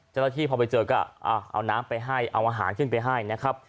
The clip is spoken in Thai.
เจ้าหน้าที่พอไปเจอก็เอาน้ำไปให้เอาอาหารขึ้นไปให้นะครับ